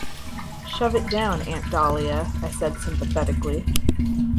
"Shove it down, Aunt Dahlia," I said sympathetically.